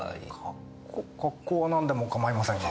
格好格好は何でも構いませんが。